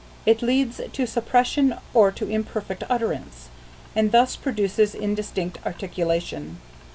It leads to suppression or to imperfect utterance, and thus produces indistinct articulation.